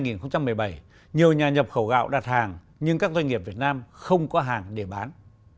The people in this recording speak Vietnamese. ngay trong năm hai nghìn một mươi bảy nhiều nhà nhập khẩu gạo được trả thêm nhưng các doanh nghiệp việt nam không có hàng để bán